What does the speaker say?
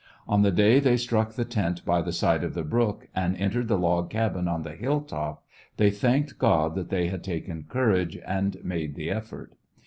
On the day they struck the tent by the side of the brook and entered the log cabin on the hill top they thanked God that they had taken [1*1 The West Wm Yov/ng courage and made the effort.